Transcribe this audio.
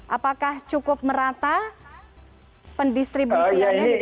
apakah cukup merata pendistribusinya gitu ya mbak